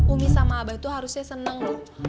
umi sama abah itu harusnya seneng loh